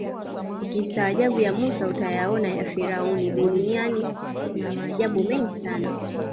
ukistaajabu ya Musa utayaona ya Firauni duniani kuna maajabu mengi sana